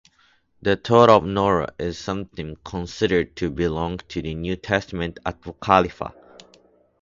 The "Thought of Norea" is sometimes considered to belong to the New Testament apocrypha.